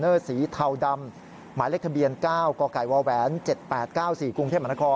เมื่อสีเทาดำหมายเลขทะเบียน๙กน๗๘๙๔กรุงเทพฯมค